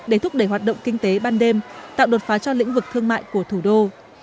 để thúc đẩy hoạt động kinh tế ban đêm tạo đột phá cho lĩnh vực thương mại của thủ đô